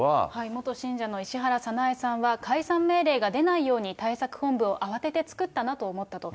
元信者の石原早苗さんは解散命令が出ないように対策本部を慌てて作ったなと思ったと。